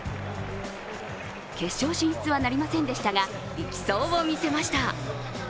決勝進出はなりませんでしたが力走を見せました。